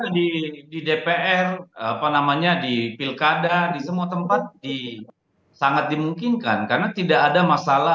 di dpr apa namanya di pilkada di semua tempat di sangat dimungkinkan karena tidak ada masalah